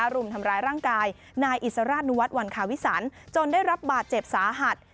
รุมทำร้ายร่างกายนายอิสราชนุวัฒน์วันคาวิสันจนได้รับบาดเจ็บสาหัส